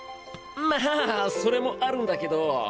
まあそれもあるんだけど。